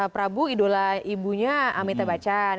prabu idola ibunya amita bacan